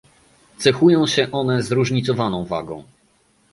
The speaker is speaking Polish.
Cechują się one zróżnicowaną wagą